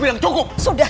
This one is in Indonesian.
sudah ger sudah